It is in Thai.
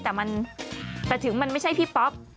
แต่ถึงมันไม่ใช่พี่ป๊อบ